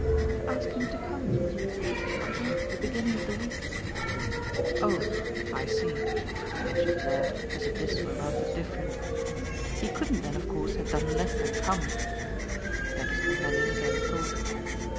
"To ask him to come. I wrote at the beginning of the week." "Oh I see" Mitchy observed as if this were rather different. "He couldn't then of course have done less than come." Yet his companion again thought.